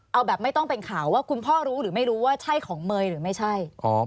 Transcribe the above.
เอาแบบไม่ต้องเป็นข่าวว่าคุณพ่อรู้หรือไม่รู้ว่าใช่ของเมย์หรือไม่ใช่